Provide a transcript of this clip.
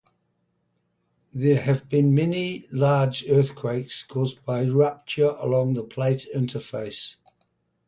There have been many large earthquakes caused by rupture along the plate interface.